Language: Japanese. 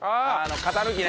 型抜きね。